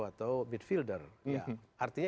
atau bitfielder artinya